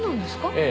ええ。